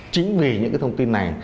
chính vì những thông tin này